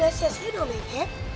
udah siasih dong bebek